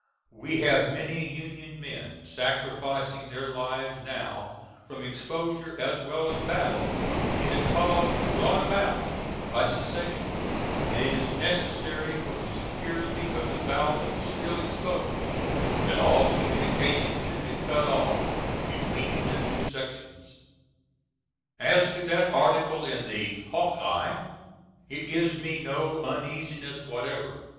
We have many Union Men sacrificing their lives now from exposure as well as battle, in a cause brought about by secession, and it is necessary for the security of the thousands still exposed that all communication should be cut off between the two sections. As to that article in the Hawk Eye it gives me no uneasiness whatever.